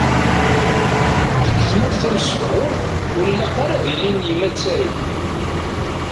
Deg tmurt tamesbaɣurt, ur ilaq ara ad ilin yimattaren.